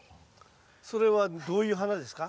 それはどういう花ですか？